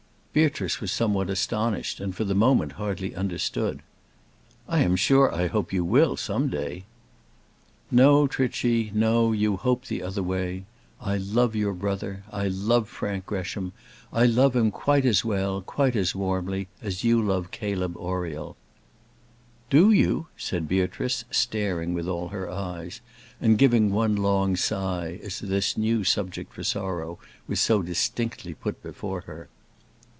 Beatrice was somewhat astonished, and for the moment hardly understood. "I am sure I hope you will, some day." "No, Trichy; no, you hope the other way. I love your brother; I love Frank Gresham; I love him quite as well, quite as warmly, as you love Caleb Oriel." "Do you?" said Beatrice, staring with all her eyes, and giving one long sigh, as this new subject for sorrow was so distinctly put before her.